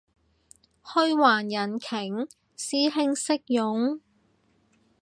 虛幻引擎？師兄識用？